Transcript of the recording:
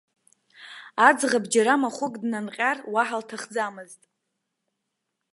Аӡӷаб џьара махәык днанҟьар уаҳа лҭахӡамызт.